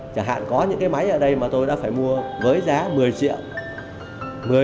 chẳng hạn có những cái máy ở đây mà tôi đã phải mua với giá một mươi triệu